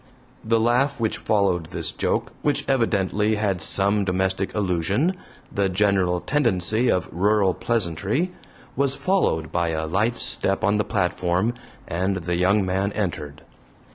The laugh which followed this joke, which evidently had some domestic allusion (the general tendency of rural pleasantry), was followed by a light step on the platform, and the young man entered.